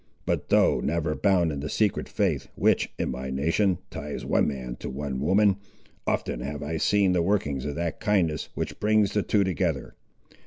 But, though never bound in the secret faith which, in my nation, ties one man to one woman, often have I seen the workings of that kindness which brings the two together.